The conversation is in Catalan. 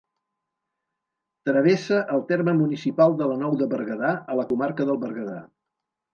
Travessa el terme municipal de La Nou de Berguedà, a la comarca del Berguedà.